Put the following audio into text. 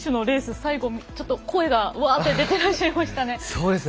最後ちょっと声がわっと出てらっしゃいましたね。